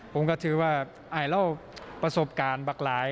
ผมก็ถือว่าอ่านเล่าประสบการณ์บักหลาย